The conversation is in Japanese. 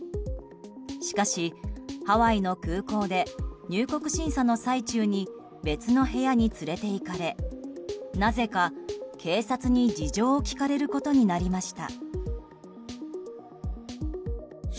しかし、ハワイの空港で入国審査の最中に別の部屋に連れていかれなぜか警察に、事情を聴かれることになりました。